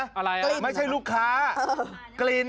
อะไรนะครับกลิ่นนะครับไม่ใช่ลูกค้ากลิ่น